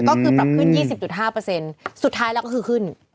ก็คือปรับขึ้น๒๐๕เปอร์เซ็นต์สุดท้ายแล้วก็คือขึ้น